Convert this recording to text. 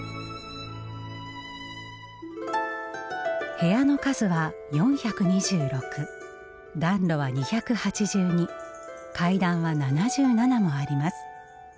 部屋の数は４２６暖炉は２８２階段は７７もあります。